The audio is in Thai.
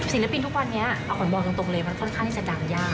ศิลปินทุกวันนี้เอาขวัญบอกตรงเลยมันค่อนข้างที่จะดังยาก